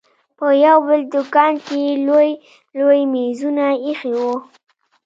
په يو بل دوکان کښې لوى لوى مېزونه ايښي وو.